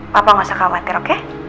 papa nggak usah khawatir oke